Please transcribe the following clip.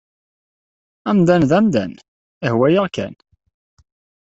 Amdan d amdan, ihwa-yaɣ kan.